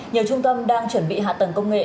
nhiều trung tâm đang chuẩn bị hạ tầng công nghệ